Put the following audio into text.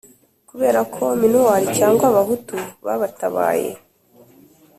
kubera ko minuar cyangwa abahutu babatabaye